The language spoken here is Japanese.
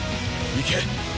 いけ！